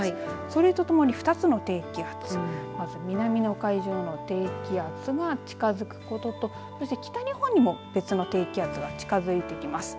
それとともに２つの低気圧南の海上の低気圧が近づくことと北日本にも別の低気圧が近づいてきます。